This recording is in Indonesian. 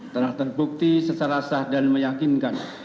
telah terbukti secara sah dan meyakinkan